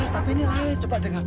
tapi ini lain coba dengan